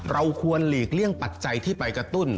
เราควรหลีกเลี่ยงปัจจัยที่ไปกระตุ้น